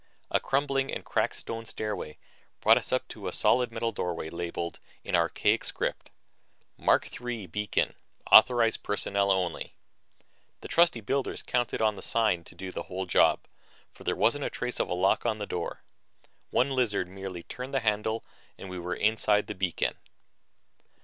A crumbling and cracked stone stairway brought us up to a solid metal doorway labeled in archaic script MARK III BEACON AUTHORIZED PERSONNEL ONLY. The trusting builders counted on the sign to do the whole job, for there wasn't a trace of a lock on the door. One lizard merely turned the handle and we were inside the beacon.